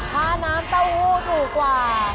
ถ้าน้ำเต้าหู้ถูกกว่า